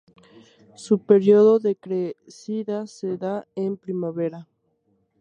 Su período de crecidas se da en primavera.